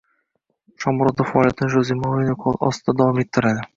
Shomurodov faoliyatini Joze Mourinyo qo‘l ostida davom ettiradi